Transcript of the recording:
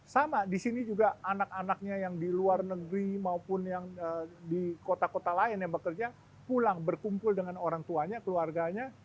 sama disini juga anak anaknya yang diluar negeri maupun yang dikota kota lain yang bekerja pulang berkumpul dengan orang tuanya keluarganya